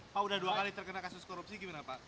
pak udah dua kali terkena kasus korupsi gimana pak